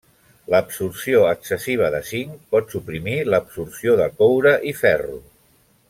L'absorció excessiva de zinc pot suprimir l'absorció de coure i ferro.